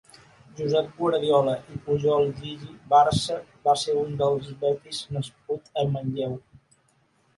Josep Guardiola i Puyol jiji barça va ser un del betis nascut a Manlleu.